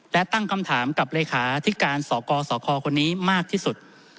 และตั้งคำถามกับเลขาธิการสกสคคนนี้มากที่สุด